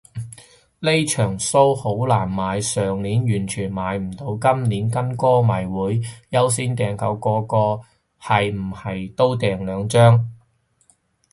呢場騷好難買，上年完全買唔到，今年跟歌迷會優先訂購，個個係唔係都訂兩張